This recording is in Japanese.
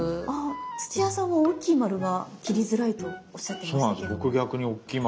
土屋さんが大きい丸が切りづらいとおっしゃってましたけども。